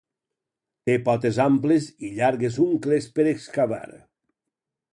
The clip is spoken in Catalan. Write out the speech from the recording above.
Té potes amples i llargues ungles per excavar.